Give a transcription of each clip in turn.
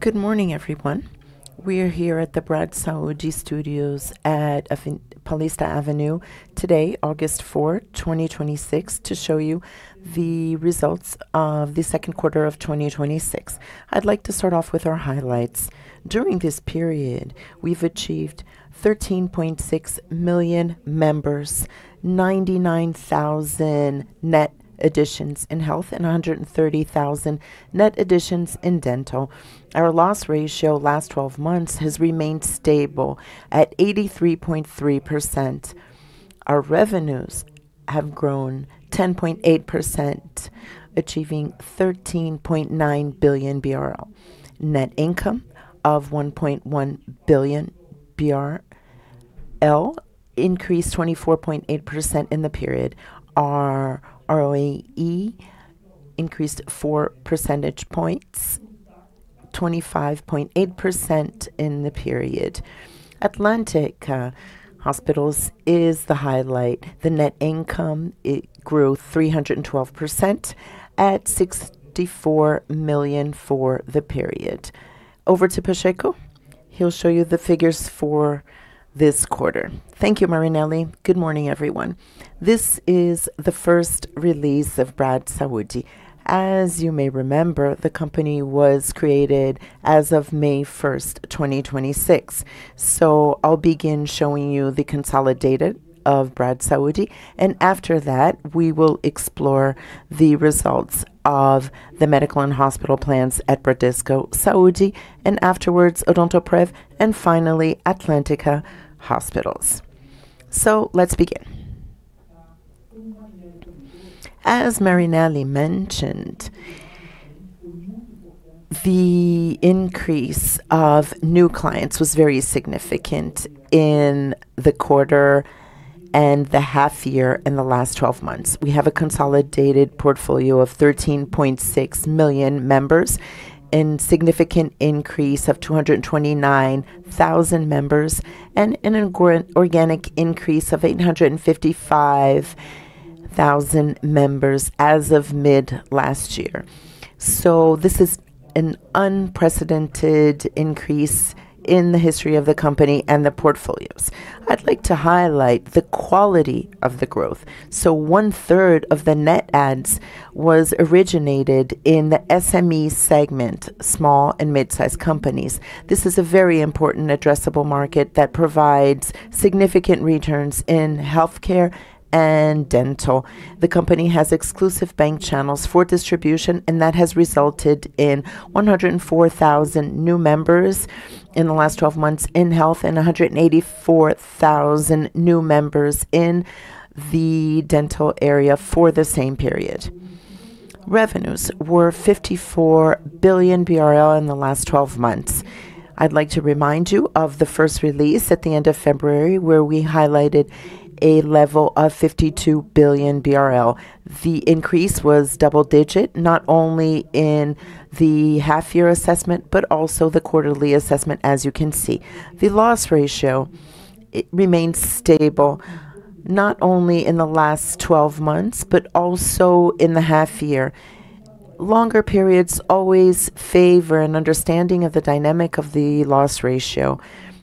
Good morning, everyone. We're here at the Bradsaúde Studios at Paulista Avenue today, August 4, 2026, to show you the results of the second quarter of 2026. I'd like to start off with our highlights. During this period, we've achieved 13.6 million members, 99,000 net additions in health, and 130,000 net additions in dental. Our loss ratio last 12 months has remained stable at 83.3%. Our revenues have grown 10.8%, achieving 13.9 billion BRL. Net income of 1.1 billion BRL, increased 24.8% in the period. Our ROE increased four percentage points, 25.8% in the period. Atlântica Hospitais is the highlight. The net income grew 312% at 64 million for the period. Over to Pacheco. He'll show you the figures for this quarter. Thank you, Marinelli. Good morning, everyone. This is the first release of Bradsaúde. As you may remember, the company was created as of May 1st, 2026. I'll begin showing you the consolidated of Bradsaúde, and after that, we will explore the results of the medical and hospital plans at Bradesco Saúde, and afterwards Odontoprev, and finally Atlântica Hospitais. Let's begin. As Marinelli mentioned, the increase of new clients was very significant in the quarter and the half year and the last 12 months. We have a consolidated portfolio of 13.6 million members, and significant increase of 229,000 members and an organic increase of 855,000 members as of mid last year. This is an unprecedented increase in the history of the company and the portfolios. I'd like to highlight the quality of the growth. one-third of the net adds was originated in the SME segment, small and mid-sized companies. This is a very important addressable market that provides significant returns in healthcare and dental. The company has exclusive bank channels for distribution, and that has resulted in 104,000 new members in the last 12 months in health and 184,000 new members in the dental area for the same period. Revenues were 54 billion BRL in the last 12 months. I'd like to remind you of the first release at the end of February, where we highlighted a level of 52 billion BRL. The increase was double digit, not only in the half year assessment, but also the quarterly assessment, as you can see. The loss ratio remains stable, not only in the last 12 months, but also in the half year. Longer periods always favor an understanding of the dynamic of the loss ratio.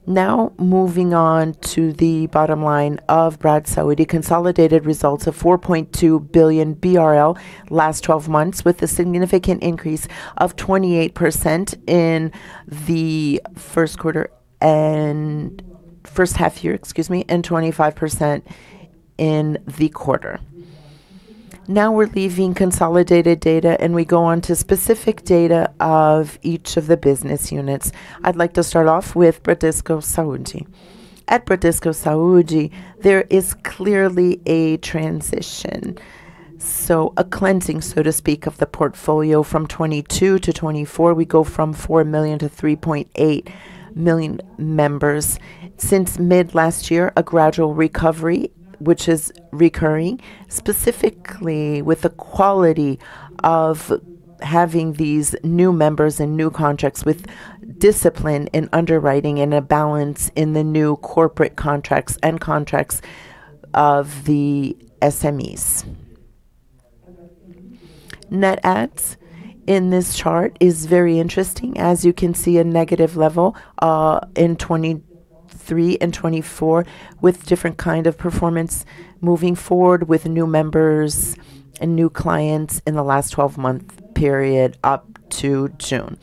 Moving on to the bottom line of Bradsaúde consolidated results of 4.2 billion BRL last 12 months with a significant increase of 28% in the first half year, and 25% in the quarter. We're leaving consolidated data, and we go on to specific data of each of the business units. I'd like to start off with Bradesco Saúde. At Bradesco Saúde, there is clearly a transition. A cleansing, so to speak, of the portfolio from 2022 to 2024. We go from 4 million to 3.8 million members. Since mid last year, a gradual recovery, which is recurring, specifically with the quality of having these new members and new contracts with discipline in underwriting and a balance in the new corporate contracts and contracts of the SMEs. Net adds in this chart is very interesting. As you can see, a negative level in 2023 and 2024 with different kind of performance moving forward with new members and new clients in the last 12-month period up to June.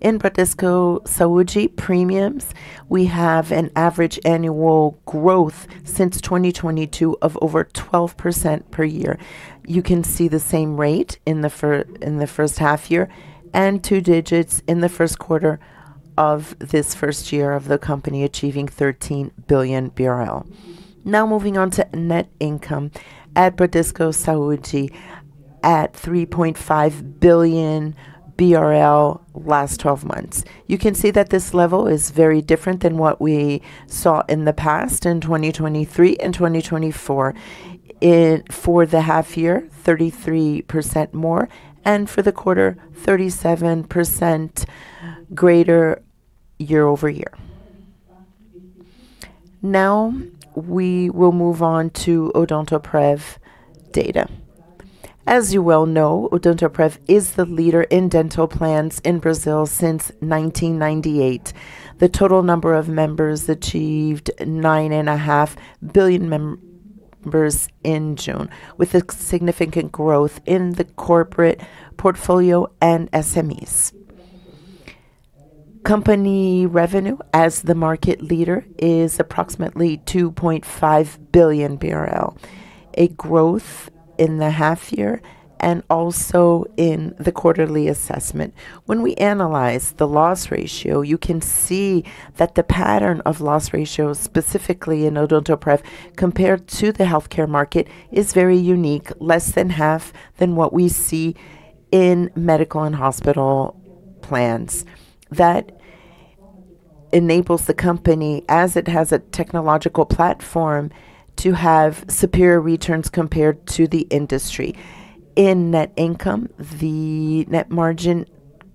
In Bradesco Saúde premiums, we have an average annual growth since 2022 of over 12% per year. You can see the same rate in the first half year and two digits in the first quarter of this first year of the company achieving 13 billion BRL. Moving on to net income at Bradesco Saúde at 3.5 billion BRL last 12 months. You can see that this level is very different than what we saw in the past in 2023 and 2024. For the half year, 33% more, and for the quarter, 37% greater year-over-year. We will move on to Odontoprev data. As you well know, Odontoprev is the leader in dental plans in Brazil since 1998. The total number of members achieved 9.5 million members in June, with a significant growth in the corporate portfolio and SMEs. Company revenue as the market leader is approximately 2.5 billion BRL, a growth in the half year and also in the quarterly assessment. When we analyze the loss ratio, you can see that the pattern of loss ratio, specifically in Odontoprev, compared to the healthcare market, is very unique, less than half than what we see in medical and hospital plans. That enables the company, as it has a technological platform, to have superior returns compared to the industry. In net income, the net margin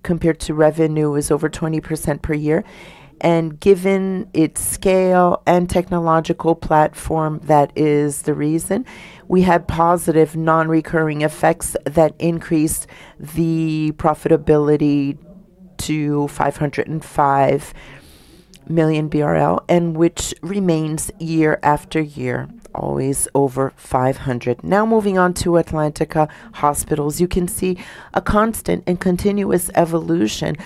compared to revenue is over 20% per year. Given its scale and technological platform, that is the reason. We had positive non-recurring effects that increased the profitability to 505 million BRL and which remains year after year, always over 500. Moving on to Atlântica Hospitais. You can see a constant and continuous evolution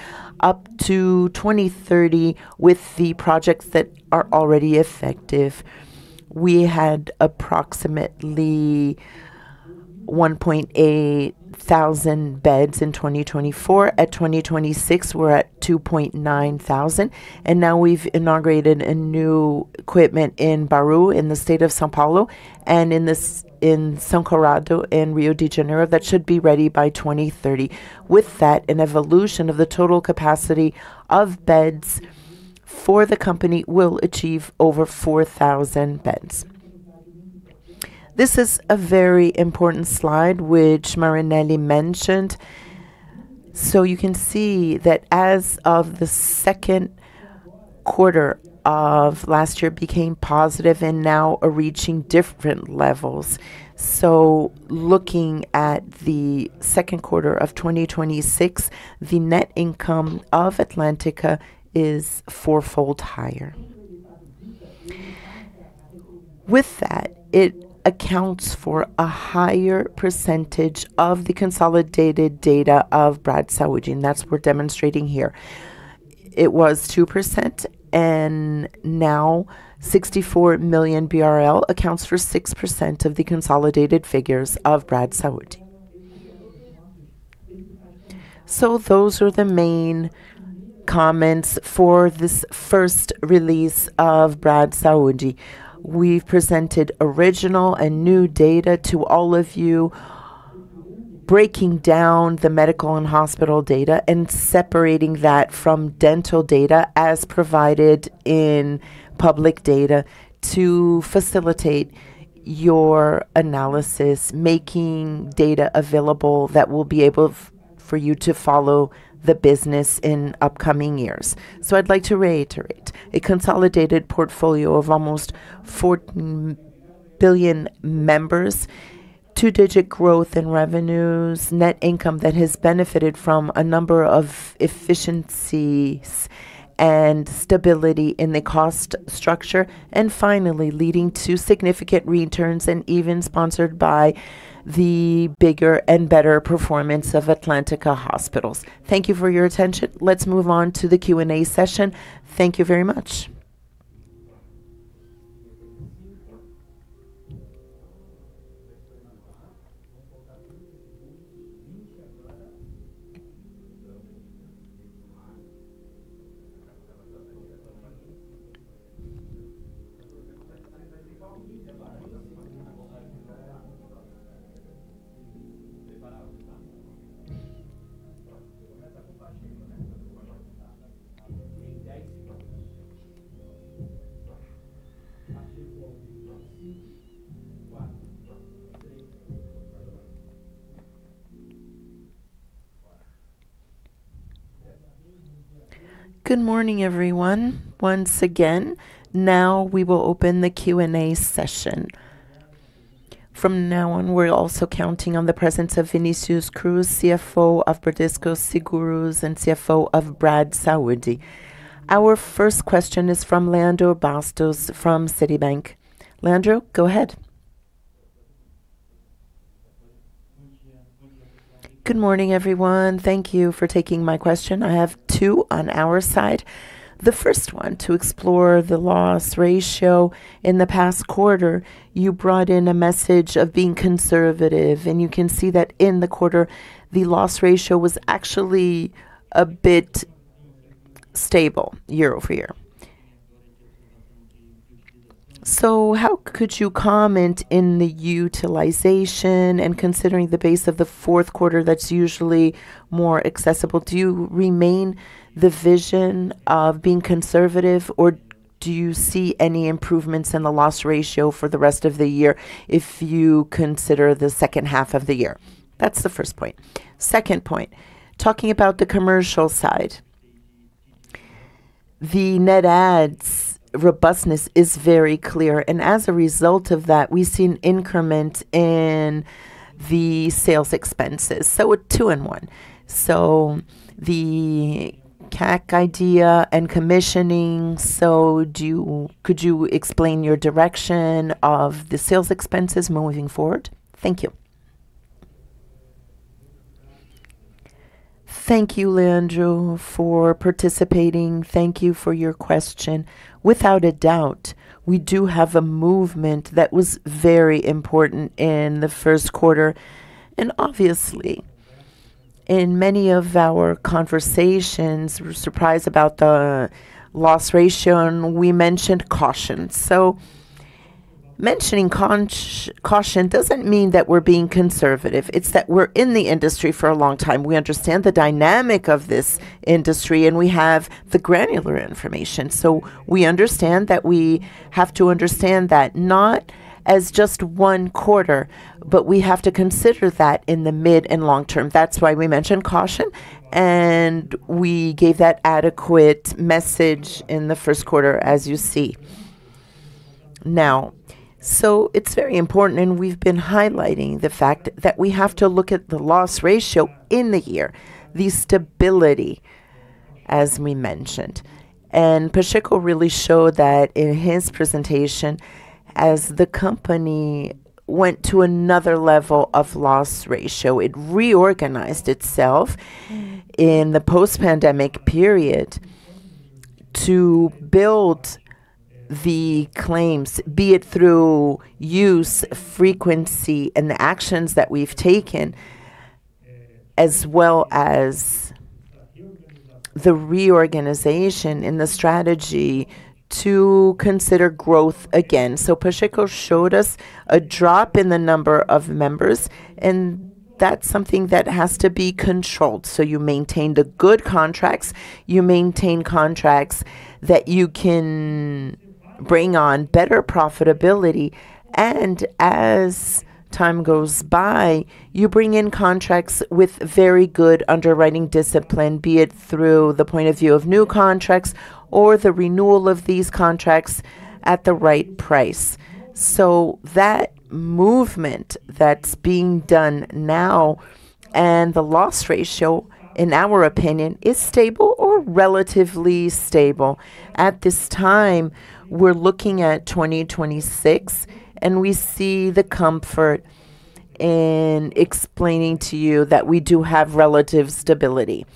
up to 2030 with the projects that are already effective. We had approximately 1,800 beds in 2024. At 2026, we're at 2,900, and we've inaugurated a new equipment in Bauru in the state of São Paulo and in São Conrado in Rio de Janeiro that should be ready by 2030. With that, an evolution of the total capacity of beds for the company will achieve over 4,000 beds. This is a very important slide, which Marinelli mentioned. You can see that as of the second quarter of last year became positive and now are reaching different levels. Looking at the second quarter of 2026, the net income of Atlântica is fourfold higher. With that, it accounts for a higher percentage of the consolidated data of Bradsaúde. That's what we're demonstrating here. It was 2%, and 64 million BRL accounts for 6% of the consolidated figures of Bradsaúde. Those are the main comments for this first release of Bradsaúde. We've presented original and new data to all of you, breaking down the medical and hospital data and separating that from dental data as provided in public data to facilitate your analysis, making data available that will be able for you to follow the business in upcoming years. I'd like to reiterate. A consolidated portfolio of almost 4 million members, two-digit growth in revenues, net income that has benefited from a number of efficiencies and stability in the cost structure, and finally, leading to significant returns and even sponsored by the bigger and better performance of Atlântica Hospitais. Thank you for your attention. Let's move on to the Q&A session. Thank you very much. Good morning, everyone, once again. Now we will open the Q&A session. From now on, we're also counting on the presence of Vinicius Cruz, CFO of Bradesco Seguros and CFO of Bradsaúde. Our first question is from Leandro Bastos from Citi. Leandro, go ahead. Good morning, everyone. Thank you for taking my question. I have two on our side. The first one to explore the loss ratio. In the past quarter, you brought in a message of being conservative, and you can see that in the quarter, the loss ratio was actually a bit stable year-over-year. How could you comment in the utilization and considering the base of the fourth quarter that's usually more accessible, do you remain the vision of being conservative, or do you see any improvements in the loss ratio for the rest of the year if you consider the second half of the year? That's the first point. Second point. Talking about the commercial side. The net adds robustness is very clear, and as a result of that, we've seen increment in the sales expenses. A two-in-one. The CAC idea and commissioning, so could you explain your direction of the sales expenses moving forward? Thank you. Thank you, Leandro, for participating. Thank you for your question. Without a doubt, we do have a movement that was very important in the first quarter, and obviously in many of our conversations, we're surprised about the loss ratio, and we mentioned caution. Mentioning caution doesn't mean that we're being conservative. It's that we're in the industry for a long time. We understand the dynamic of this industry, and we have the granular information. We understand that we have to understand that not as just one quarter, but we have to consider that in the mid and long term. That's why we mentioned caution, and we gave that adequate message in the first quarter, as you see. It's very important, and we've been highlighting the fact that we have to look at the loss ratio in the year, the stability, as we mentioned. Pacheco really showed that in his presentation as the company went to another level of loss ratio, it reorganized itself in the post-pandemic period to build the claims, be it through use, frequency, and the actions that we've taken, as well as the reorganization and the strategy to consider growth again. Pacheco showed us a drop in the number of members, and that's something that has to be controlled. You maintain the good contracts, you maintain contracts that you can bring on better profitability, and as time goes by, you bring in contracts with very good underwriting discipline, be it through the point of view of new contracts or the renewal of these contracts at the right price. That movement that's being done now and the loss ratio, in our opinion, is stable or relatively stable. At this time, we're looking at 2026, and we see the comfort in explaining to you that we do have relative stability.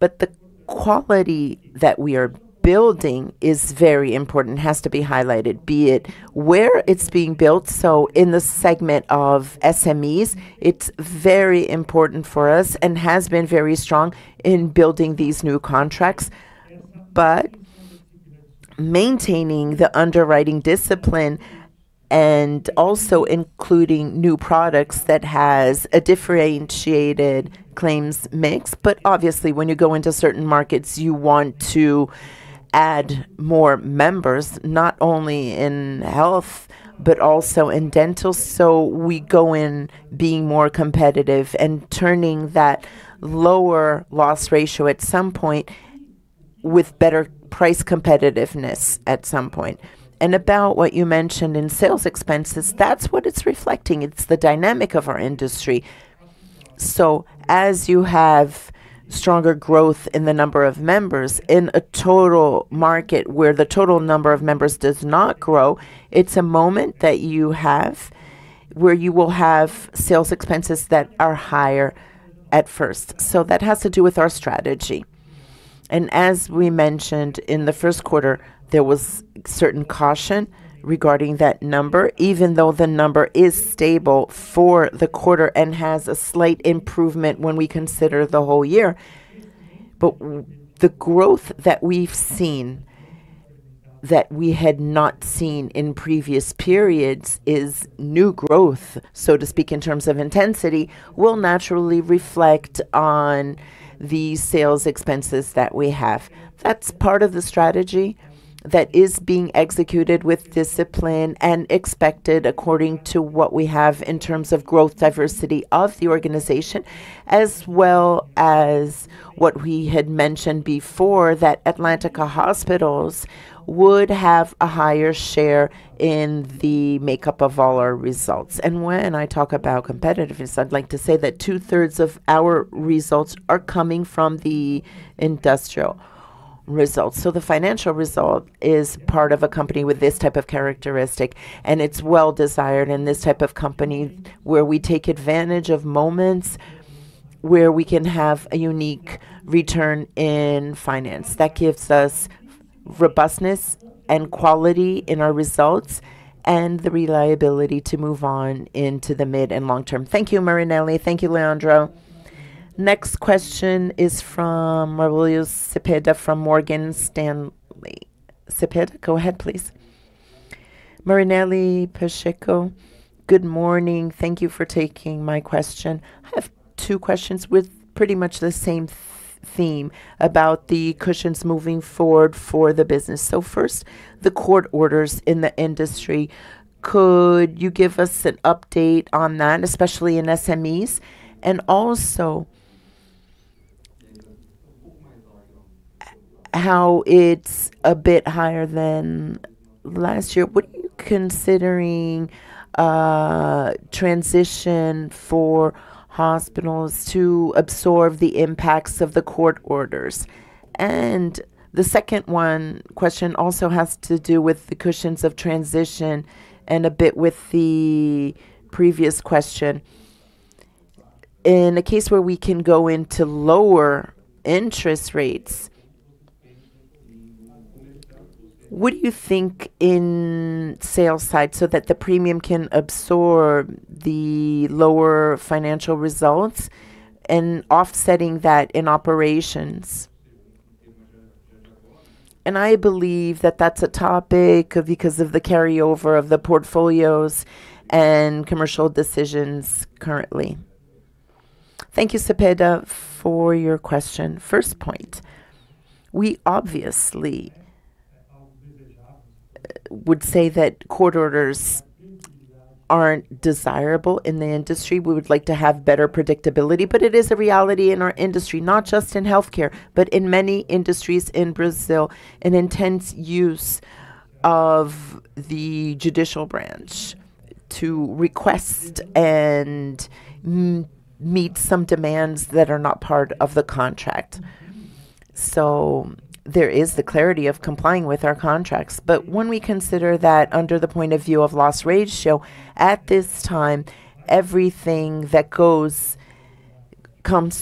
The quality that we are building is very important, has to be highlighted, be it where it's being built. In the segment of SMEs, it's very important for us and has been very strong in building these new contracts, but maintaining the underwriting discipline and also including new products that has a differentiated claims mix. Obviously, when you go into certain markets, you want to add more members, not only in health, but also in dental. We go in being more competitive and turning that lower loss ratio at some point with better price competitiveness at some point. About what you mentioned in sales expenses, that's what it's reflecting. It's the dynamic of our industry. As you have stronger growth in the number of members in a total market where the total number of members does not grow, it's a moment that you have where you will have sales expenses that are higher at first. That has to do with our strategy. As we mentioned in the first quarter, there was certain caution regarding that number, even though the number is stable for the quarter and has a slight improvement when we consider the whole year. The growth that we've seen, that we had not seen in previous periods, is new growth, so to speak, in terms of intensity, will naturally reflect on the sales expenses that we have. That's part of the strategy that is being executed with discipline and expected according to what we have in terms of growth diversity of the organization, as well as what we had mentioned before, that Atlântica Hospitais would have a higher share in the makeup of all our results. When I talk about competitiveness, I'd like to say that two-thirds of our results are coming from the industrial results. The financial result is part of a company with this type of characteristic, and it's well desired in this type of company where we take advantage of moments where we can have a unique return in finance that gives us robustness and quality in our results and the reliability to move on into the mid and long term. Thank you, Marinelli. Thank you, Leandro. Next question is from Mauricio Cepeda from Morgan Stanley. Cepeda, go ahead, please. Marinelli, Pacheco, good morning. Thank you for taking my question. I have two questions with pretty much the same theme about the cushions moving forward for the business. First, the court orders in the industry. Could you give us an update on that, especially in SMEs? Also How it's a bit higher than last year. Would you considering a transition for hospitals to absorb the impacts of the court orders? The second one question also has to do with the cushions of transition and a bit with the previous question. In a case where we can go into lower interest rates, what do you think in sales side so that the premium can absorb the lower financial results and offsetting that in operations? I believe that that's a topic because of the carryover of the portfolios and commercial decisions currently. Thank you, Cepeda, for your question. First point, we obviously would say that court orders aren't desirable in the industry. We would like to have better predictability, but it is a reality in our industry, not just in healthcare, but in many industries in Brazil. An intense use of the judicial branch to request and meet some demands that are not part of the contract. There is the clarity of complying with our contracts. When we consider that under the point of view of loss ratio, at this time, everything that comes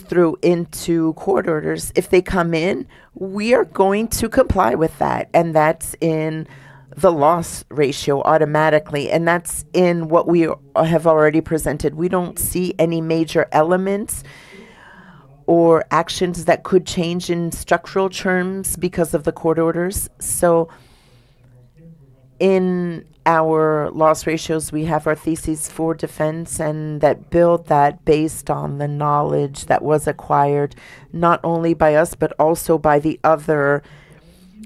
through into court orders, if they come in, we are going to comply with that, and that's in the loss ratio automatically, and that's in what we have already presented. We don't see any major elements or actions that could change in structural terms because of the court orders. In our loss ratios, we have our thesis for defense and that build that based on the knowledge that was acquired, not only by us but also by the other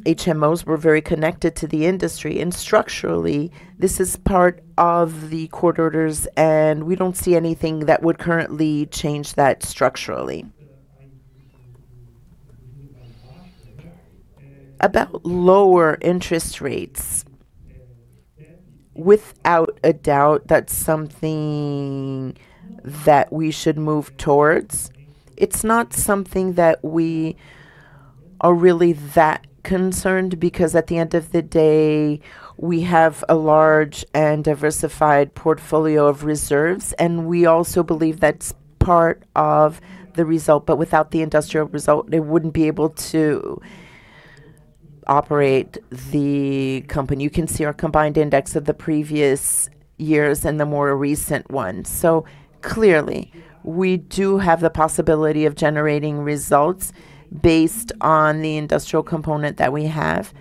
HMOs. We're very connected to the industry. Structurally, this is part of the court orders, and we don't see anything that would currently change that structurally. About lower interest rates, without a doubt, that's something that we should move towards. It's not something that we are really that concerned because at the end of the day, we have a large and diversified portfolio of reserves, and we also believe that's part of the result. Without the industrial result, they wouldn't be able to operate the company. You can see our combined index of the previous years and the more recent ones. Clearly, we do have the possibility of generating results based on the industrial component that we have,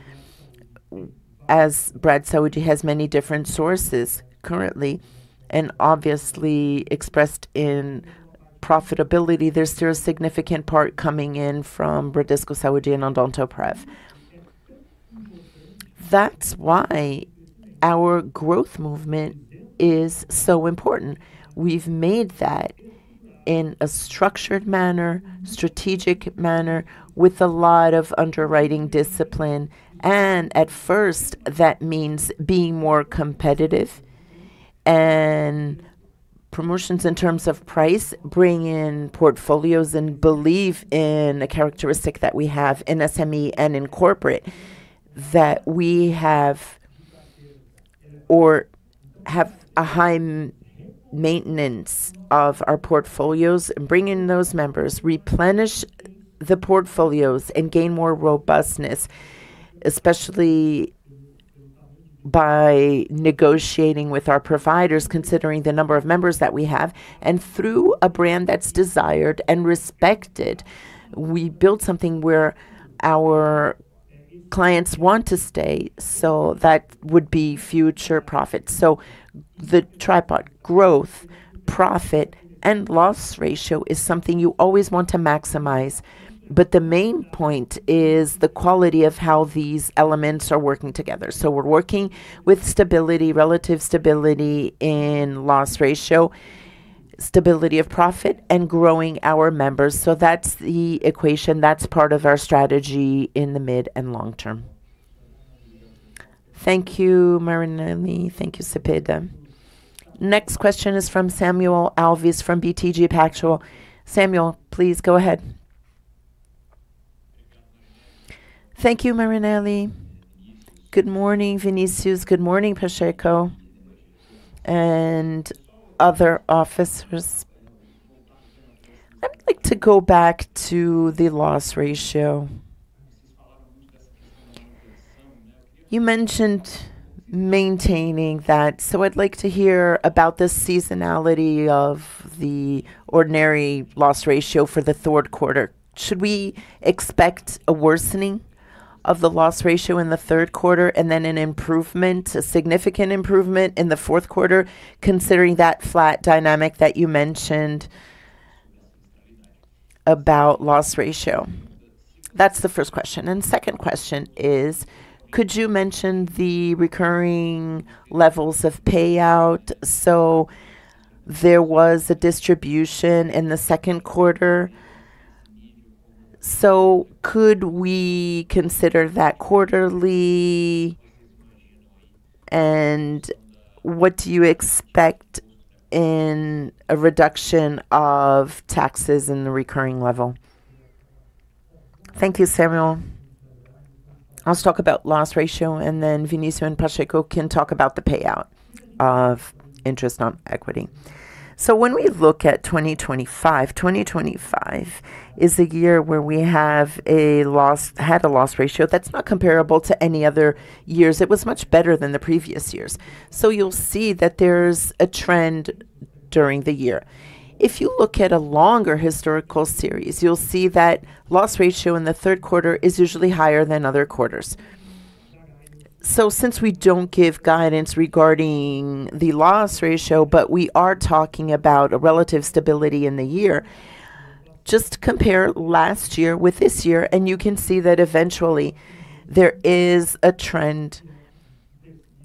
as Bradsaúde has many different sources currently and obviously expressed in profitability. There's still a significant part coming in from Bradesco Saúde and Odontoprev. That's why our growth movement is so important. We've made that in a structured manner, strategic manner with a lot of underwriting discipline, and at first that means being more competitive and promotions in terms of price, bring in portfolios and believe in the characteristic that we have in SME and in corporate that we have or have a high maintenance of our portfolios and bring in those members, replenish the portfolios and gain more robustness, especially by negotiating with our providers considering the number of members that we have. Through a brand that's desired and respected, we build something where our clients want to stay, that would be future profit. The tripod growth, profit, and loss ratio is something you always want to maximize. The main point is the quality of how these elements are working together. We're working with stability, relative stability in loss ratio, stability of profit, and growing our members. That's the equation. That's part of our strategy in the mid and long term. Thank you, Marinelli. Thank you, Cepeda. Next question is from Samuel Alves from BTG Pactual. Samuel, please go ahead. Thank you, Marinelli. Good morning, Vinicius. Good morning, Pacheco and other officers. I would like to go back to the loss ratio. You mentioned maintaining that, so I'd like to hear about the seasonality of the ordinary loss ratio for the third quarter. Should we expect a worsening of the loss ratio in the third quarter and then an improvement, a significant improvement in the fourth quarter, considering that flat dynamic that you mentioned about loss ratio? That's the first question. Second question is, could you mention the recurring levels of payout? There was a distribution in the second quarter, could we consider that quarterly? What do you expect in a reduction of taxes in the recurring level? Thank you, Samuel. I'll talk about loss ratio, and then Vinicius and Pacheco can talk about the payout of interest on equity. When we look at 2025 is a year where we had a loss ratio that's not comparable to any other years. It was much better than the previous years. You'll see that there's a trend during the year. If you look at a longer historical series, you'll see that loss ratio in the third quarter is usually higher than other quarters. Since we don't give guidance regarding the loss ratio, but we are talking about a relative stability in the year, just compare last year with this year and you can see that eventually there is a trend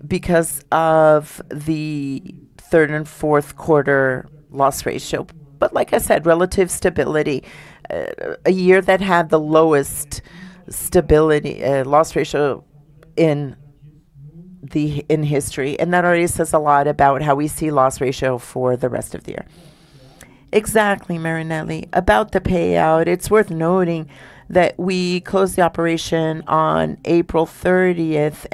because of the third and fourth quarter loss ratio. Like I said, relative stability. A year that had the lowest loss ratio in history, that already says a lot about how we see loss ratio for the rest of the year. Exactly, Marinelli. About the payout, it's worth noting that we closed the operation on April 30th,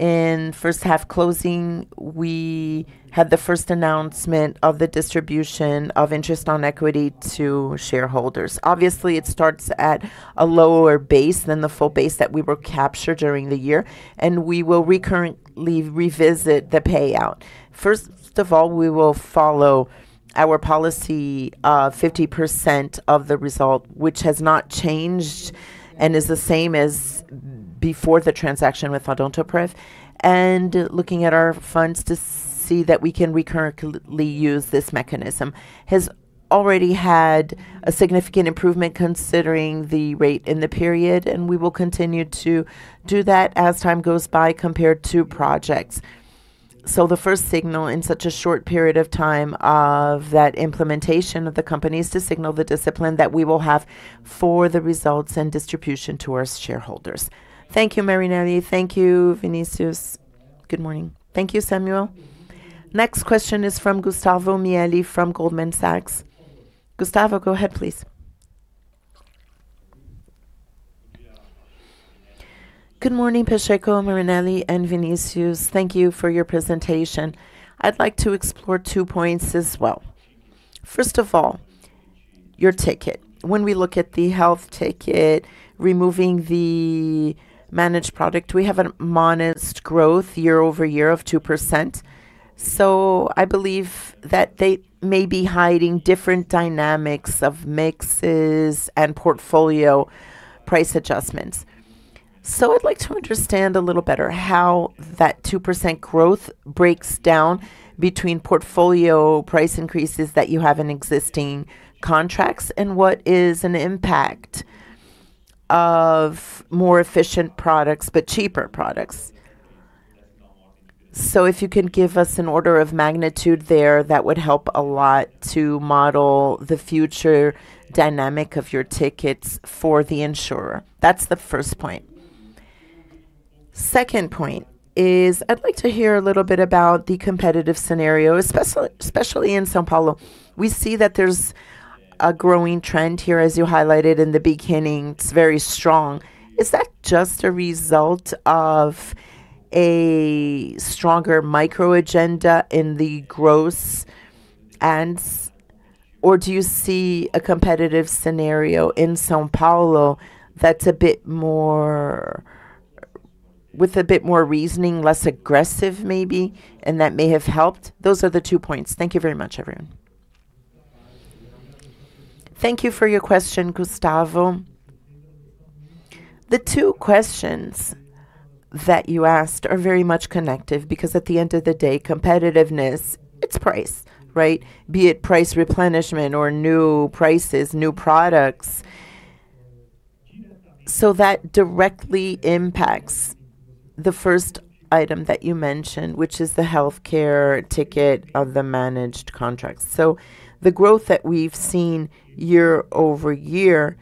in first half closing, we had the first announcement of the distribution of interest on equity to shareholders. Obviously, it starts at a lower base than the full base that we will capture during the year, we will recurrently revisit the payout. First of all, we will follow our policy of 50% of the result, which has not changed and is the same as before the transaction with Odontoprev, looking at our funds to see that we can recurrently use this mechanism, has already had a significant improvement considering the rate in the period, we will continue to do that as time goes by, compared to projects. The first signal in such a short period of time of that implementation of the company is to signal the discipline that we will have for the results and distribution to our shareholders. Thank you, Marinelli. Thank you, Vinicius. Good morning. Thank you, Samuel. Next question is from Gustavo Miele from Goldman Sachs. Gustavo, go ahead, please. Good morning, Pacheco, Marinelli, and Vinicius. Thank you for your presentation. I'd like to explore two points as well. First of all, your ticket. When we look at the health ticket, removing the managed product, we have a modest growth year-over-year of 2%. I believe that they may be hiding different dynamics of mixes and portfolio price adjustments. I'd like to understand a little better how that 2% growth breaks down between portfolio price increases that you have in existing contracts, what is an impact of more efficient products, but cheaper products. If you could give us an order of magnitude there, that would help a lot to model the future dynamic of your tickets for the insurer. That's the first point. Second point is I'd like to hear a little bit about the competitive scenario, especially in São Paulo. We see that there's a growing trend here, as you highlighted in the beginning. It's very strong. Is that just a result of a stronger micro agenda in the growth, or do you see a competitive scenario in São Paulo with a bit more reasoning, less aggressive maybe, and that may have helped? Those are the two points. Thank you very much, everyone. Thank you for your question, Gustavo. The two questions that you asked are very much connected because at the end of the day, competitiveness, it's price, right? Be it price replenishment or new prices, new products. That directly impacts the first item that you mentioned, which is the healthcare ticket of the managed contracts. The growth that we've seen year-over-year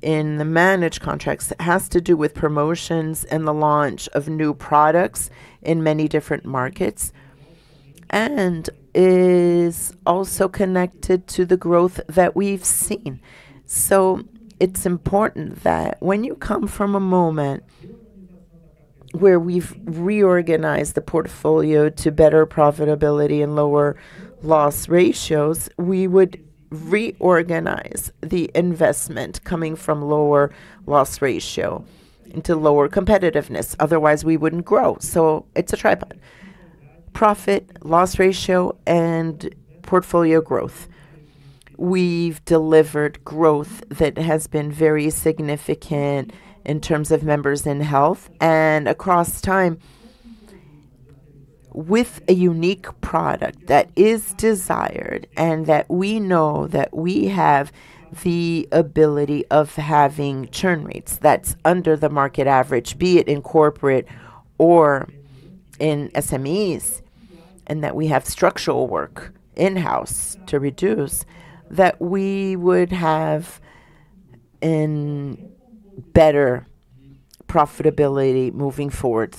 in the managed contracts has to do with promotions and the launch of new products in many different markets, and is also connected to the growth that we've seen. It's important that when you come from a moment where we've reorganized the portfolio to better profitability and lower loss ratios, we would reorganize the investment coming from lower loss ratio into lower competitiveness. Otherwise, we wouldn't grow. It's a tripod. Profit, loss ratio, and portfolio growth. We've delivered growth that has been very significant in terms of members in health and across time with a unique product that is desired and that we know that we have the ability of having churn rates that's under the market average, be it in corporate or in SMEs. That we have structural work in-house to reduce that we would have better profitability moving forward.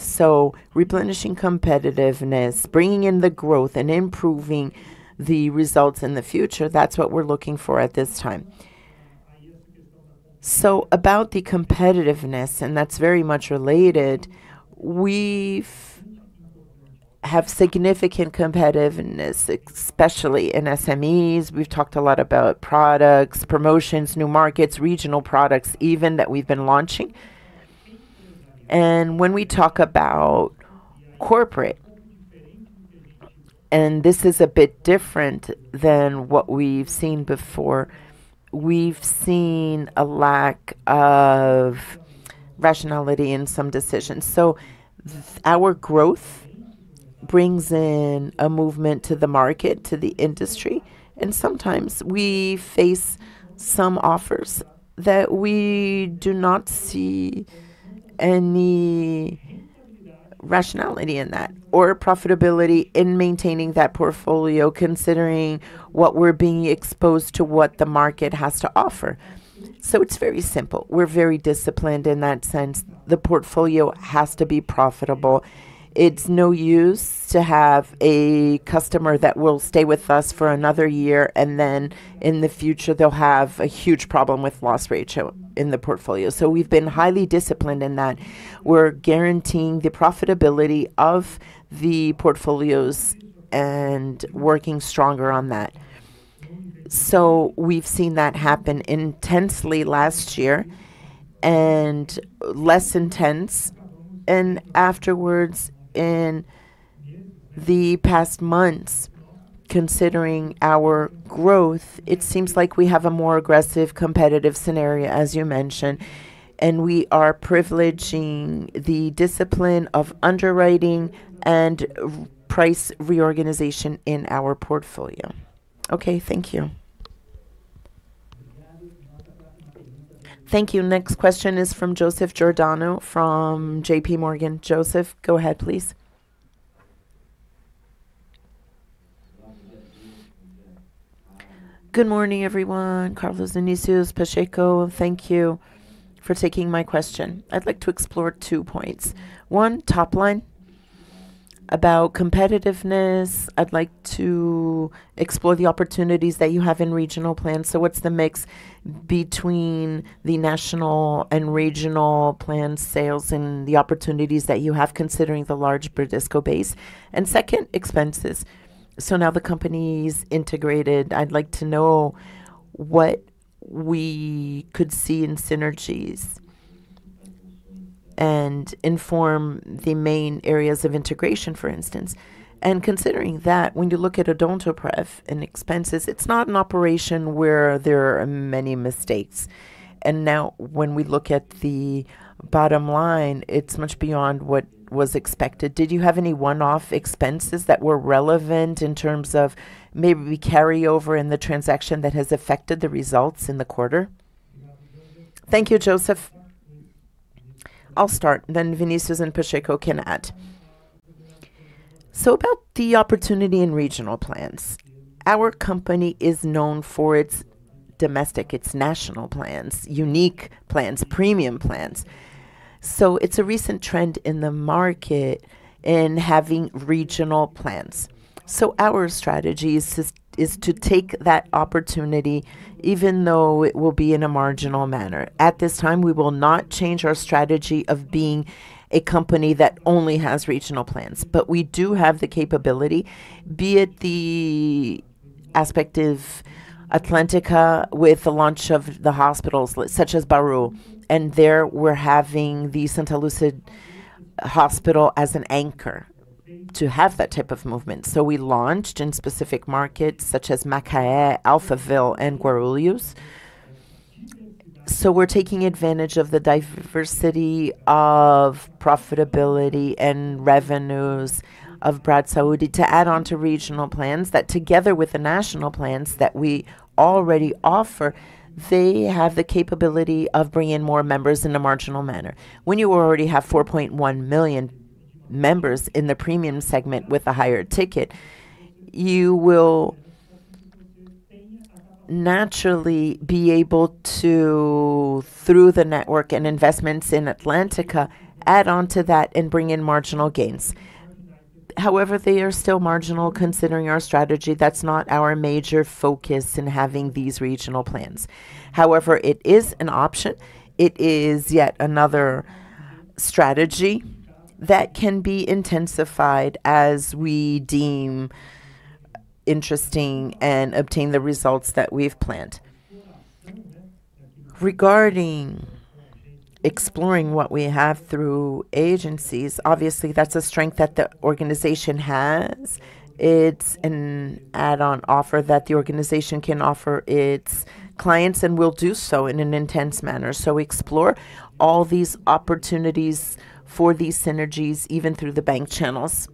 Replenishing competitiveness, bringing in the growth, and improving the results in the future, that's what we're looking for at this time. About the competitiveness, and that's very much related, we have significant competitiveness, especially in SMEs. We've talked a lot about products, promotions, new markets, regional products even that we've been launching. When we talk about corporate, and this is a bit different than what we've seen before, we've seen a lack of rationality in some decisions. Our growth brings in a movement to the market, to the industry, and sometimes we face some offers that we do not see any rationality in that or profitability in maintaining that portfolio considering what we're being exposed to, what the market has to offer. It's very simple. We're very disciplined in that sense. The portfolio has to be profitable. It's no use to have a customer that will stay with us for another year and then in the future they'll have a huge problem with loss ratio in the portfolio. We've been highly disciplined in that. We're guaranteeing the profitability of the portfolios and working stronger on that. We've seen that happen intensely last year, and less intense and afterwards in the past months. Considering our growth, it seems like we have a more aggressive competitive scenario, as you mentioned, and we are privileging the discipline of underwriting and price reorganization in our portfolio. Okay. Thank you. Thank you. Next question is from Joseph Giordano from JPMorgan. Joseph, go ahead please. Good morning everyone. Carlos, Vinicius, Pacheco, thank you for taking my question. I'd like to explore two points. One, top line about competitiveness. I'd like to explore the opportunities that you have in regional plans. What's the mix between the national and regional plan sales and the opportunities that you have considering the large Bradesco base? Second, expenses. Now the company's integrated. I'd like to know what we could see in synergies and inform the main areas of integration, for instance. Considering that when you look at Odontoprev and expenses, it's not an operation where there are many mistakes. Now when we look at the bottom line, it's much beyond what was expected. Did you have any one-off expenses that were relevant in terms of maybe carryover in the transaction that has affected the results in the quarter? Thank you, Joseph. I'll start, then Vinicius and Pacheco can add. About the opportunity in regional plans. Our company is known for its domestic, its national plans, unique plans, premium plans. It's a recent trend in the market in having regional plans. Our strategy is to take that opportunity even though it will be in a marginal manner. At this time, we will not change our strategy of being a company that only has regional plans. We do have the capability, be it the aspect of Atlântica with the launch of the hospitals such as Bauru. There we're having the Hospital Santa Lúcia as an anchor to have that type of movement. We launched in specific markets such as Macaé, Alphaville, and Guarulhos. We're taking advantage of the diversity of profitability and revenues of Bradsaúde to add onto regional plans that together with the national plans that we already offer, they have the capability of bringing more members in a marginal manner. When you already have 4.1 million members in the premium segment with a higher ticket, you will naturally be able to, through the network and investments in Atlântica, add onto that and bring in marginal gains. However, they are still marginal considering our strategy. That's not our major focus in having these regional plans. It is an option. It is yet another strategy that can be intensified as we deem interesting and obtain the results that we've planned. Regarding exploring what we have through agencies, obviously that's a strength that the organization has. It's an add-on offer that the organization can offer its clients and will do so in an intense manner. We explore all these opportunities for these synergies even through the bank channels.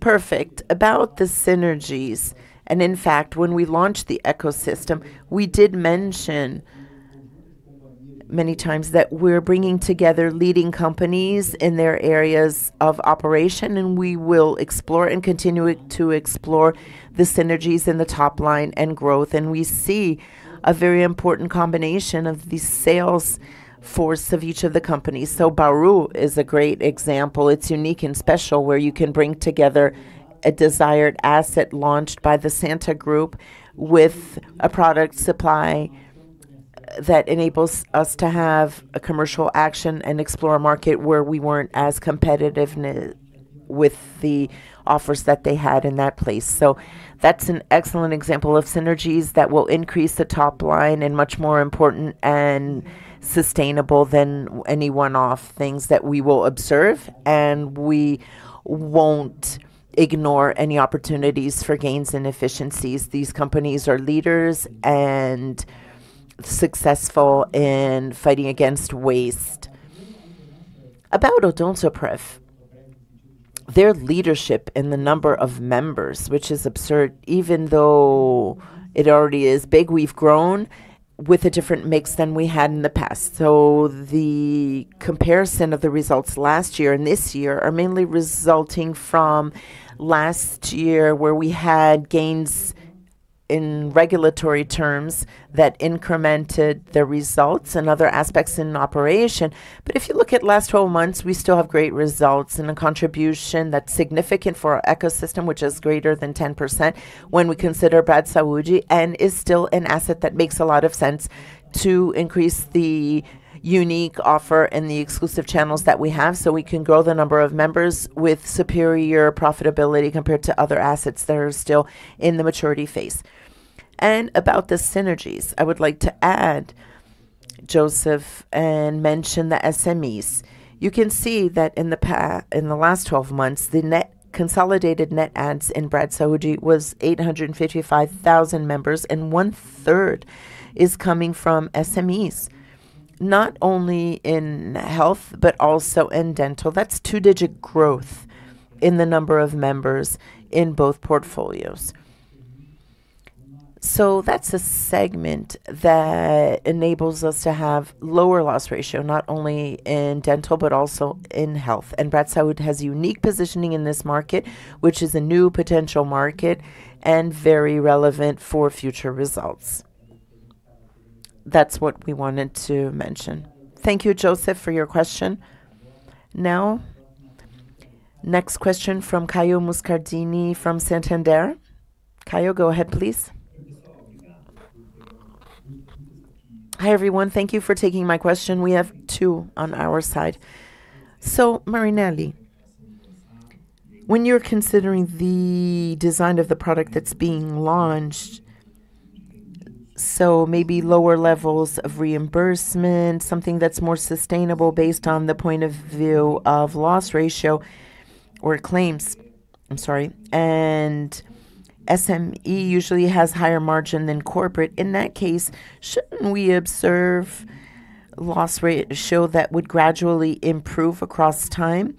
Perfect. About the synergies, in fact, when we launched the ecosystem, we did mention many times that we're bringing together leading companies in their areas of operation, we will explore and continue to explore the synergies in the top line and growth. We see a very important combination of the sales force of each of the companies. Bauru is a great example. It's unique and special, where you can bring together a desired asset launched by the Grupo Santa with a product supply that enables us to have a commercial action and explore a market where we weren't as competitive with the offers that they had in that place. That's an excellent example of synergies that will increase the top line and much more important and sustainable than any one-off things that we will observe. We won't ignore any opportunities for gains in efficiencies. These companies are leaders and successful in fighting against waste. About Odontoprev, their leadership in the number of members, which is absurd, even though it already is big, we've grown with a different mix than we had in the past. The comparison of the results last year and this year are mainly resulting from last year, where we had gains in regulatory terms that incremented the results and other aspects in operation. If you look at last 12 months, we still have great results and a contribution that's significant for our ecosystem, which is greater than 10% when we consider Bradsaúde and is still an asset that makes a lot of sense to increase the unique offer and the exclusive channels that we have, so we can grow the number of members with superior profitability compared to other assets that are still in the maturity phase. About the synergies, I would like to add, Joseph, and mention the SMEs. You can see that in the last 12 months, the consolidated net adds in Bradsaúde was 855,000 members, and one-third is coming from SMEs, not only in health but also in dental. That's two-digit growth in the number of members in both portfolios. That's a segment that enables us to have lower loss ratio, not only in dental but also in health. Bradsaúde has unique positioning in this market, which is a new potential market and very relevant for future results. That's what we wanted to mention. Thank you, Joseph, for your question. Next question from Caio Moscardini from Santander. Caio, go ahead, please. Hi, everyone. Thank you for taking my question. We have two on our side. Marinelli, when you're considering the design of the product that's being launched, so maybe lower levels of reimbursement, something that's more sustainable based on the point of view of loss ratio or claims, I'm sorry. And SME usually has higher margin than corporate. In that case, shouldn't we observe loss ratio that would gradually improve across time?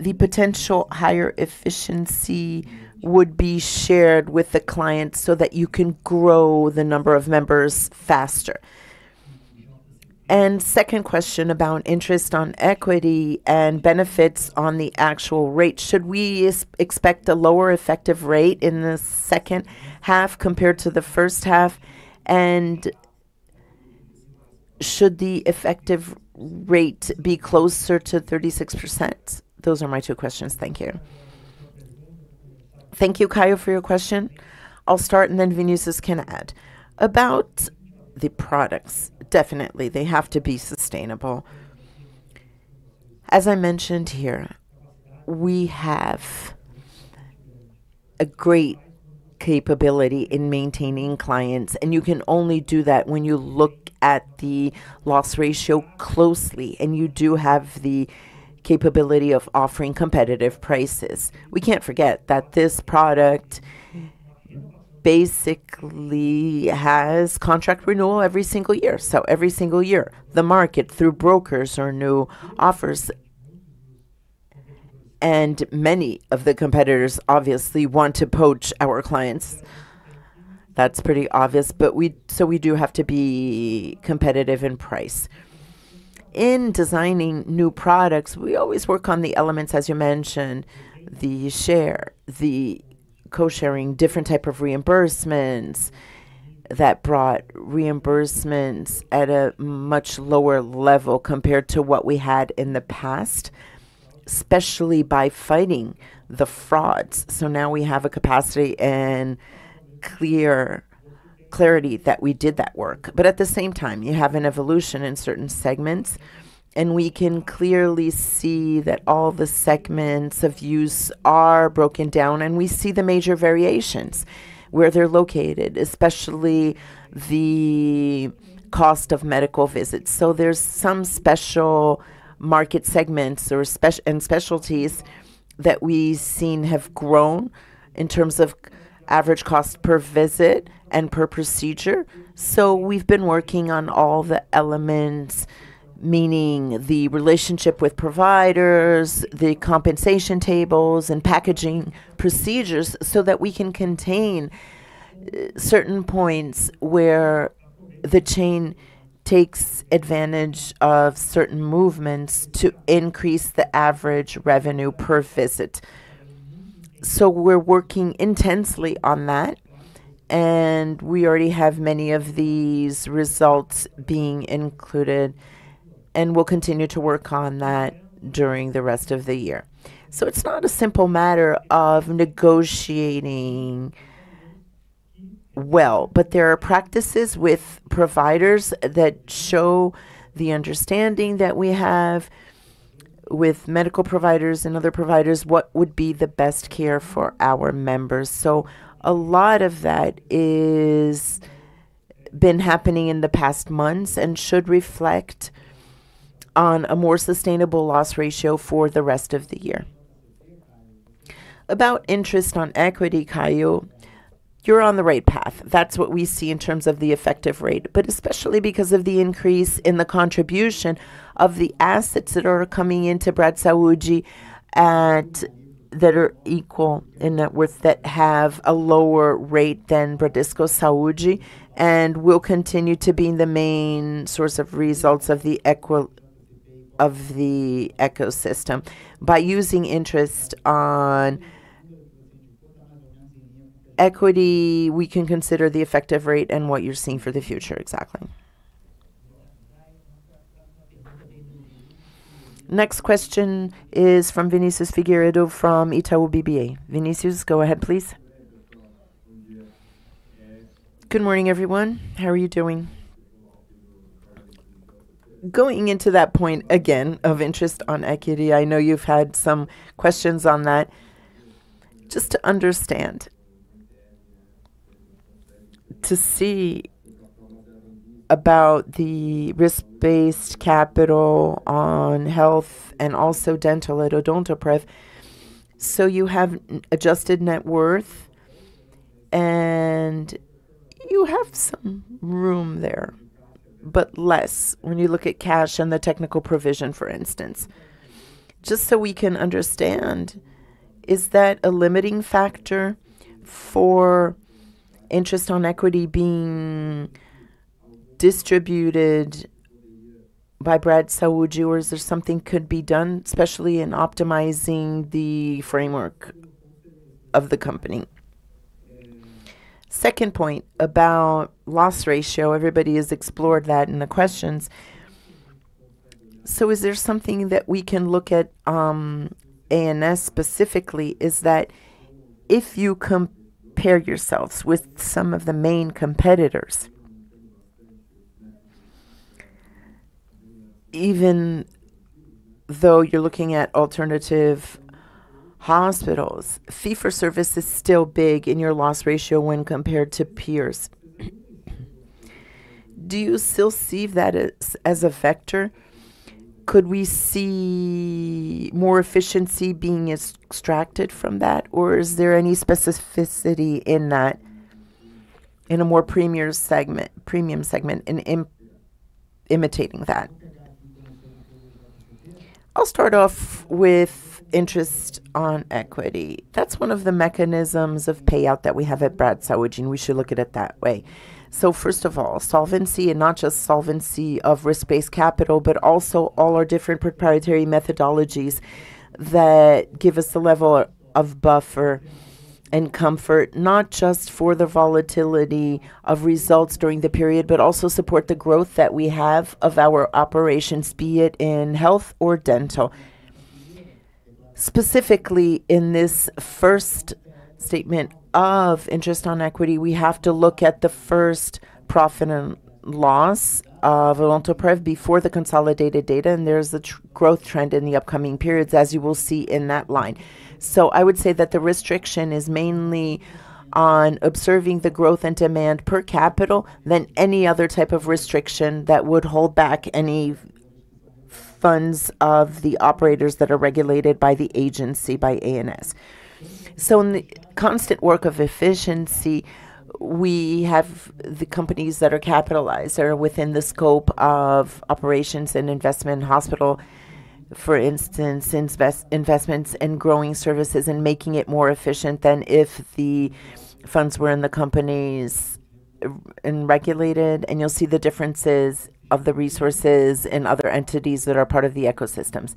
The potential higher efficiency would be shared with the client so that you can grow the number of members faster. Second question about interest on equity and benefits on the actual rate. Should we expect a lower effective rate in the second half compared to the first half? Should the effective rate be closer to 36%? Those are my two questions. Thank you. Thank you, Caio, for your question. I'll start and then Vinicius can add. About the products, definitely they have to be sustainable. As I mentioned here, we have a great capability in maintaining clients, and you can only do that when you look at the loss ratio closely, and you do have the capability of offering competitive prices. We can't forget that this product basically has contract renewal every single year. Every single year, the market, through brokers or new offers, Many of the competitors obviously want to poach our clients. That's pretty obvious. We do have to be competitive in price. In designing new products, we always work on the elements, as you mentioned, the share, the co-sharing, different type of reimbursements that brought reimbursements at a much lower level compared to what we had in the past, especially by fighting the frauds. Now we have a capacity and clarity that we did that work. At the same time, you have an evolution in certain segments, and we can clearly see that all the segments of use are broken down, and we see the major variations, where they're located, especially the cost of medical visits. There's some special market segments and specialties that we've seen have grown in terms of average cost per visit and per procedure. We've been working on all the elements, meaning the relationship with providers, the compensation tables, and packaging procedures so that we can contain certain points where the chain takes advantage of certain movements to increase the average revenue per visit. We're working intensely on that, and we already have many of these results being included, and we'll continue to work on that during the rest of the year. It's not a simple matter of negotiating well, but there are practices with providers that show the understanding that we have with medical providers and other providers, what would be the best care for our members. A lot of that has been happening in the past months and should reflect on a more sustainable loss ratio for the rest of the year. About interest on equity, Caio, you're on the right path. That's what we see in terms of the effective rate, but especially because of the increase in the contribution of the assets that are coming into Bradsaúde that are equal in net worth that have a lower rate than Bradesco Saúde and will continue to be the main source of results of the ecosystem. By using interest on equity, we can consider the effective rate and what you're seeing for the future exactly. Next question is from Vinicius Figueiredo from Itaú BBA. Vinicius, go ahead, please. Good morning, everyone. How are you doing? Going into that point again of interest on equity, I know you've had some questions on that. Just to understand. To see about the risk-based capital on health and also dental at Odontoprev. You have adjusted net worth, and you have some room there, but less when you look at cash and the technical provision, for instance. Just so we can understand, is that a limiting factor for interest on equity being distributed by Bradsaúde, or is there something could be done, especially in optimizing the framework of the company? Second point about loss ratio. Everybody has explored that in the questions. Is there something that we can look at ANS specifically is that if you compare yourselves with some of the main competitors, even though you're looking at alternative hospitals, Fee-for-service is still big in your loss ratio when compared to peers. Do you still see that as a factor? Could we see more efficiency being extracted from that? Is there any specificity in that in a more premium segment in imitating that? I'll start off with interest on equity. That's one of the mechanisms of payout that we have at Bradsaúde, and we should look at it that way. First of all, solvency, and not just solvency of risk-based capital, but also all our different proprietary methodologies that give us the level of buffer and comfort, not just for the volatility of results during the period, but also support the growth that we have of our operations, be it in health or dental. Specifically, in this first statement of interest on equity, we have to look at the first profit and loss of Odontoprev before the consolidated data, there's the growth trend in the upcoming periods, as you will see in that line. I would say that the restriction is mainly on observing the growth and demand per capital than any other type of restriction that would hold back any funds of the operators that are regulated by the agency, by ANS. In the constant work of efficiency, we have the companies that are capitalized or within the scope of operations and investment in hospital, for instance, investments in growing services and making it more efficient than if the funds were in the companies and regulated, and you'll see the differences of the resources and other entities that are part of the ecosystems.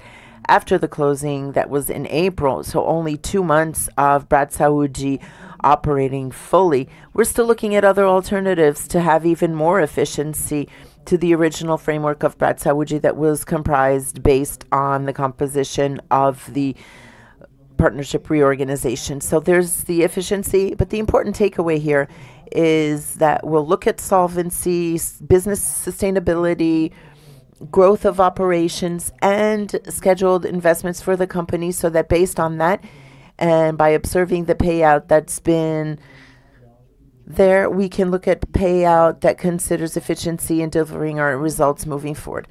After the closing, that was in April, only two months of Bradsaúde operating fully. We're still looking at other alternatives to have even more efficiency to the original framework of Bradsaúde that was comprised based on the composition of the partnership reorganization. There's the efficiency. The important takeaway here is that we'll look at solvency, business sustainability, growth of operations, and scheduled investments for the company, so that based on that and by observing the payout that's been there, we can look at the payout that considers efficiency in delivering our results moving forward.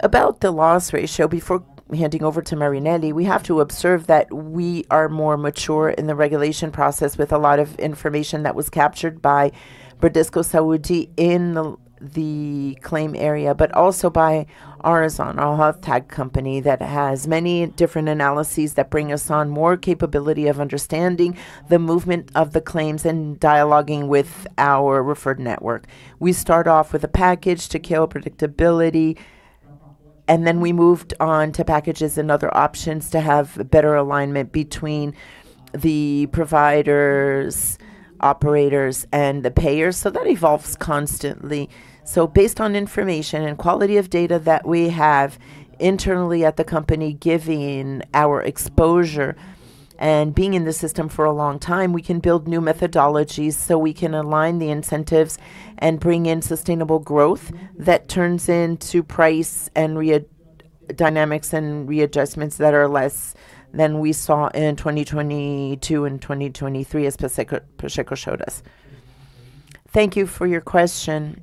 About the loss ratio, before handing over to Marinelli, we have to observe that we are more mature in the regulation process with a lot of information that was captured by Bradesco Saúde in the claim area, but also by Orizon, our health tech company that has many different analyses that bring us on more capability of understanding the movement of the claims and dialoguing with our referred network. We start off with a package to cure predictability. Then we moved on to packages and other options to have better alignment between the providers, operators, and the payers. That evolves constantly. Based on information and quality of data that we have internally at the company, given our exposure and being in the system for a long time, we can build new methodologies so we can align the incentives and bring in sustainable growth that turns into price and dynamics and readjustments that are less than we saw in 2022 and 2023, as Pacheco showed us. Thank you for your question.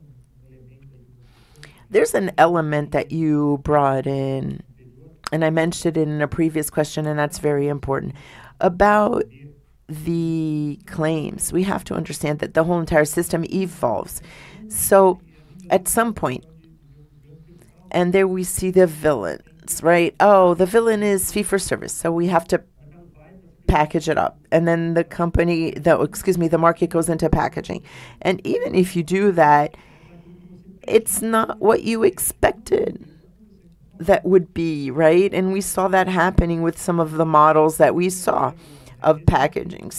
There's an element that you brought in, and I mentioned it in a previous question, and that's very important, about the claims. We have to understand that the whole entire system evolves. At some point. There we see the villains, right? Oh, the villain is fee-for-service, we have to package it up. Then the market goes into packaging. Even if you do that, it's not what you expected that would be, right? We saw that happening with some of the models that we saw of packaging.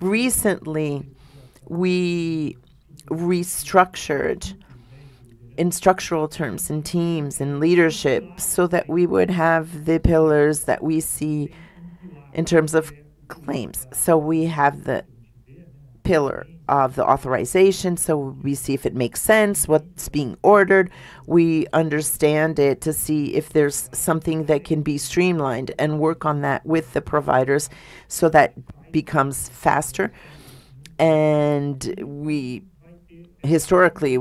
Recently, we restructured in structural terms, in teams, in leadership, so that we would have the pillars that we see in terms of claims. We have the pillar of the authorization, we see if it makes sense, what's being ordered. We understand it to see if there's something that can be streamlined and work on that with the providers so that becomes faster. Historically,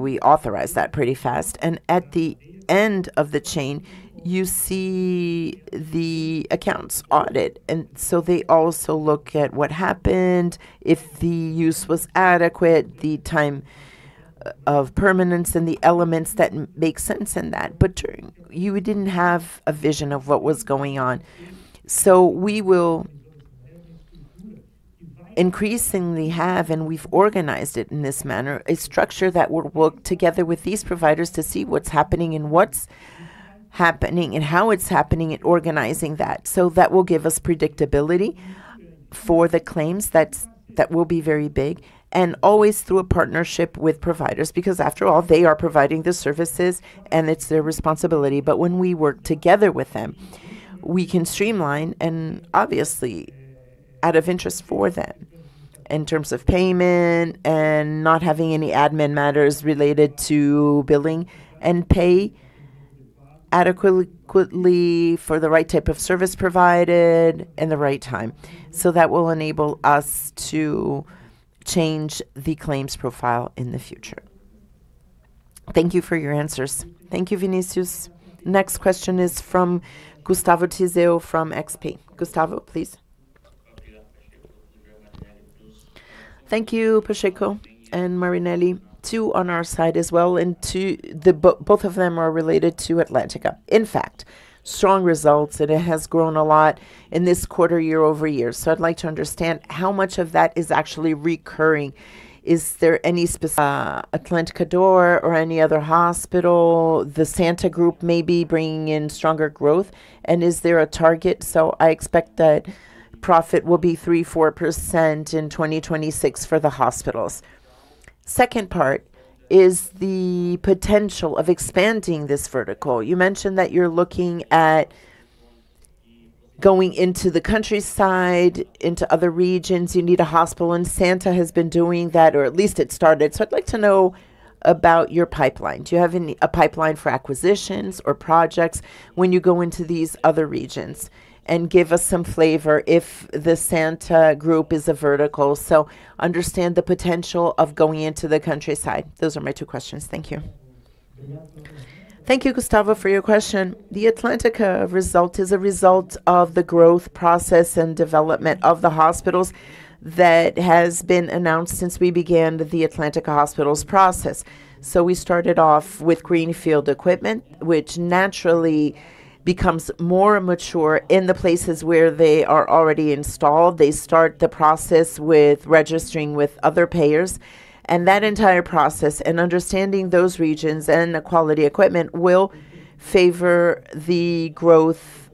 we authorize that pretty fast. At the end of the chain, you see the accounts audit. They also look at what happened, if the use was adequate, the time of permanence, and the elements that make sense in that. You didn't have a vision of what was going on. We will increasingly have, and we've organized it in this manner, a structure that will work together with these providers to see what's happening and how it's happening and organizing that. That will give us predictability for the claims. That will be very big. Always through a partnership with providers, because after all, they are providing the services and it's their responsibility. When we work together with them, we can streamline and obviously out of interest for them in terms of payment and not having any admin matters related to billing, and pay adequately for the right type of service provided and the right time. That will enable us to change the claims profile in the future. Thank you for your answers. Thank you, Vinicius. Next question is from Gustavo Tiseo from XP. Gustavo, please. Thank you, Pacheco and Marinelli. Two on our side as well, both of them are related to Atlântica. In fact, strong results, it has grown a lot in this quarter year-over-year. I'd like to understand how much of that is actually recurring. Is there any specific Atlântica D'Or or any other hospital, the Grupo Santa may be bringing in stronger growth, is there a target? I expect that profit will be 3%-4% in 2026 for the hospitals. Second part is the potential of expanding this vertical. You mentioned that you're looking at going into the countryside, into other regions. You need a hospital, Grupo Santa has been doing that, or at least it started. I'd like to know about your pipeline. Do you have a pipeline for acquisitions or projects when you go into these other regions? Give us some flavor if the Grupo Santa is a vertical, understand the potential of going into the countryside. Those are my two questions. Thank you. Thank you, Gustavo, for your question. The Atlântica result is a result of the growth process and development of the hospitals that has been announced since we began the Atlântica Hospitais process. We started off with greenfield equipment, which naturally becomes more mature in the places where they are already installed. They start the process with registering with other payers. That entire process and understanding those regions and the quality equipment will favor the growth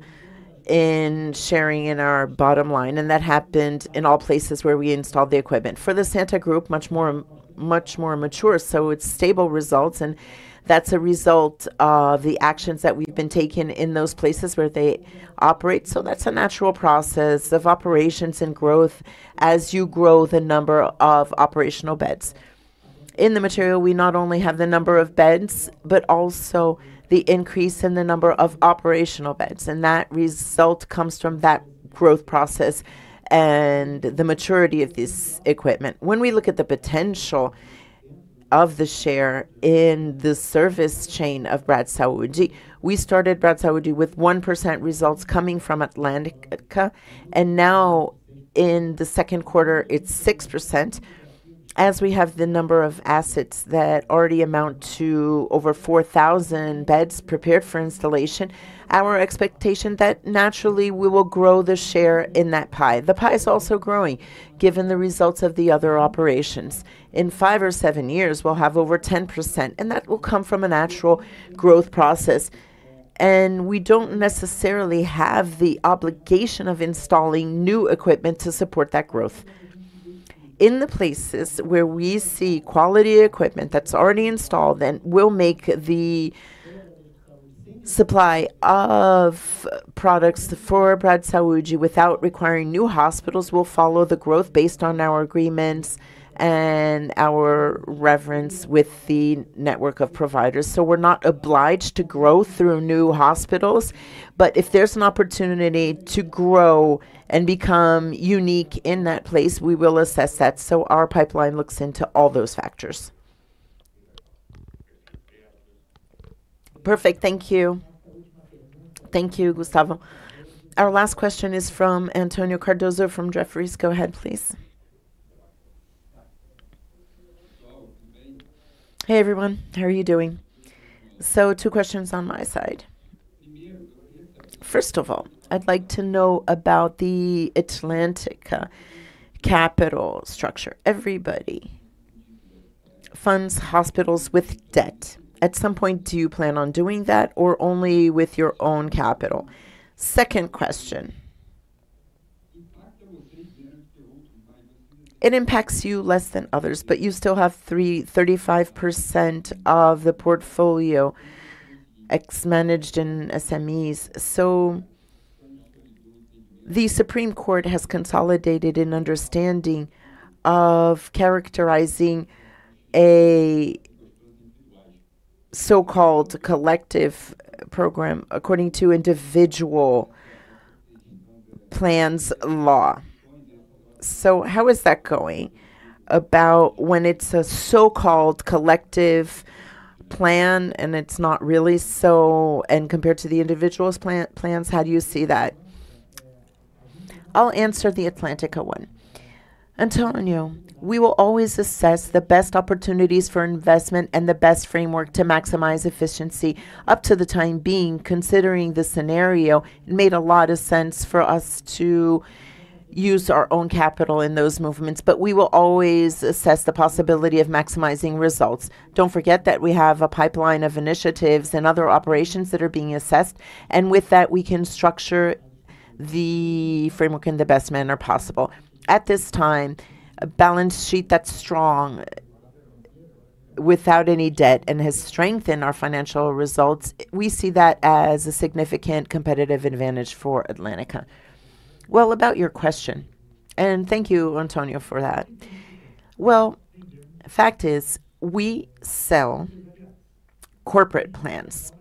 in sharing in our bottom line. That happened in all places where we installed the equipment. For the Grupo Santa, much more mature, it's stable results, that's a result of the actions that we've been taking in those places where they operate. That's a natural process of operations and growth as you grow the number of operational beds. In the material, we not only have the number of beds, but also the increase in the number of operational beds. That result comes from that growth process and the maturity of this equipment. When we look at the potential of the share in the service chain of Bradsaúde, we started Bradsaúde with 1% results coming from Atlântica, and now in the second quarter, it's 6%. As we have the number of assets that already amount to over 4,000 beds prepared for installation, our expectation that naturally we will grow the share in that pie. The pie is also growing given the results of the other operations. In five or seven years, we'll have over 10%, and that will come from a natural growth process. We don't necessarily have the obligation of installing new equipment to support that growth. In the places where we see quality equipment that's already installed, we'll make the supply of products for Bradsaúde without requiring new hospitals. We'll follow the growth based on our agreements and our reverence with the network of providers. We're not obliged to grow through new hospitals, but if there's an opportunity to grow and become unique in that place, we will assess that. Our pipeline looks into all those factors. Perfect. Thank you. Thank you, Gustavo. Our last question is from Antonio Cardoso from Jefferies. Go ahead, please. Hey, everyone. How are you doing? Two questions on my side. First of all, I'd like to know about the Atlântica capital structure. Everybody funds hospitals with debt. At some point, do you plan on doing that, or only with your own capital? Second question. It impacts you less than others, but you still have 35% of the portfolio ex managed and SMEs. The Supreme Court has consolidated an understanding of characterizing a so-called collective program according to individual plans law. How is that going about when it's a so-called collective plan and compared to the individual's plans, how do you see that? I'll answer the Atlântica one. Antonio, we will always assess the best opportunities for investment and the best framework to maximize efficiency. Up to the time being, considering the scenario, it made a lot of sense for us to use our own capital in those movements. We will always assess the possibility of maximizing results. Don't forget that we have a pipeline of initiatives and other operations that are being assessed. With that, we can structure the framework in the best manner possible. At this time, a balance sheet that's strong without any debt and has strengthened our financial results, we see that as a significant competitive advantage for Atlântica. Well, about your question, and thank you, Antonio, for that. Well, fact is, we sell corporate plans.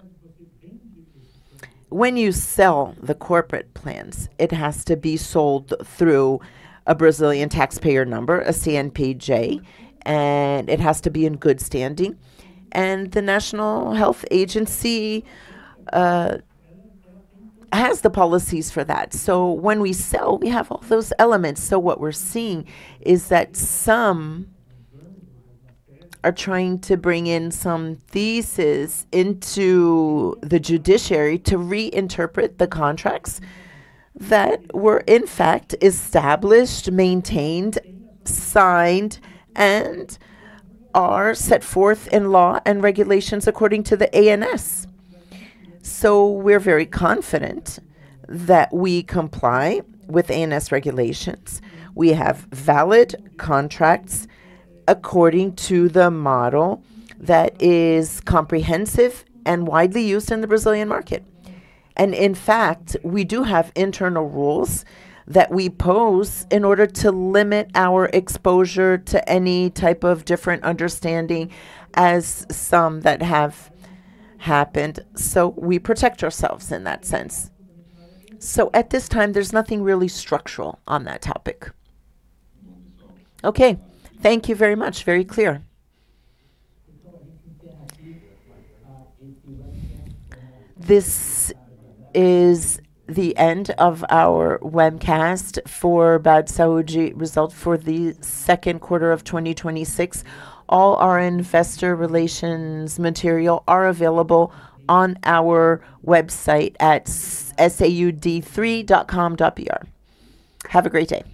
When you sell the corporate plans, it has to be sold through a Brazilian taxpayer number, a CNPJ, and it has to be in good standing. The National Health Agency has the policies for that. When we sell, we have all those elements. What we're seeing is that some are trying to bring in some theses into the judiciary to reinterpret the contracts that were in fact established, maintained, signed, and are set forth in law and regulations according to the ANS. We're very confident that we comply with ANS regulations. We have valid contracts according to the model that is comprehensive and widely used in the Brazilian market. In fact, we do have internal rules that we pose in order to limit our exposure to any type of different understanding as some that have happened. We protect ourselves in that sense. At this time, there's nothing really structural on that topic. Okay. Thank you very much. Very clear. This is the end of our webcast for Bradsaúde results for the second quarter of 2026. All our investor relations material are available on our website at saud3.com.br. Have a great day.